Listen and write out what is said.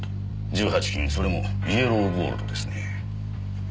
金それもイエローゴールドですね。